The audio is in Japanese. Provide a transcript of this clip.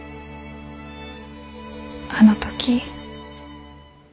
あの時。